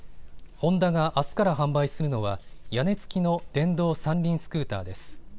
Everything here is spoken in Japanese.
ホンダがあすから販売するのは屋根付きの電動三輪スクーターです。